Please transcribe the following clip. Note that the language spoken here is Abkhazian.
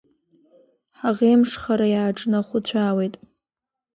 Ҳаӷеимҽхара, иааҿнаҟәыцәаауеит!